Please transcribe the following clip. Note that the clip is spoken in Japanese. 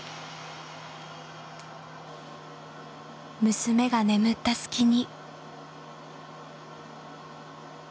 娘が眠った隙に。